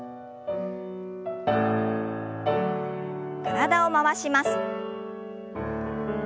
体を回します。